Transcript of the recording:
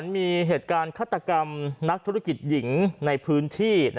มีเหตุการณ์ฆาตกรรมนักธุรกิจหญิงในพื้นที่